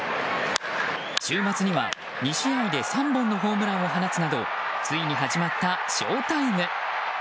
週末には２試合で３本のホームランを放つなどついに始まったショータイム。